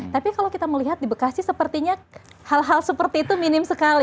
tapi kalau kita melihat di bekasi sepertinya hal hal seperti itu minim sekali